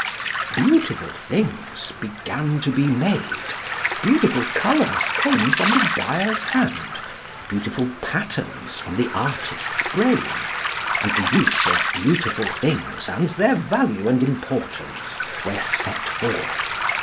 Beautiful things began to be made, beautiful colours came from the dyer's hand, beautiful patterns from the artist's brain, and the use of beautiful things and their value and importance were set forth.